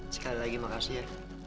sekali lagi makasih ya